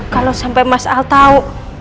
kalau sampai mas al tahu